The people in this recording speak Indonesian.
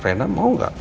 reina mau gak